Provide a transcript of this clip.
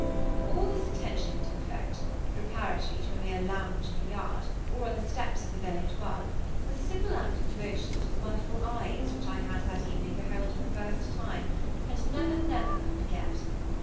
All this attention to effect, preparatory to a mere lounge in the yard, or on the steps of the Belle Étoile, was a simple act of devotion to the wonderful eyes which I had that evening beheld for the first time, and never, never could forget!